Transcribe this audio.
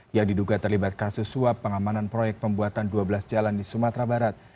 yang diduga terlibat kasus suap pengamanan proyek pembuatan dua belas jalan di sumatera barat